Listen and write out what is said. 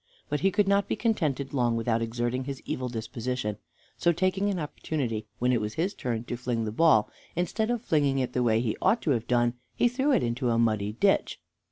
But he could not be contented long without exerting his evil disposition, so taking an opportunity when it was his turn to fling the ball, instead of flinging it the way he ought to have done, he threw it into a muddy ditch.